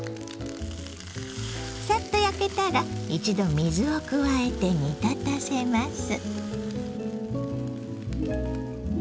さっと焼けたら一度水を加えて煮立たせます。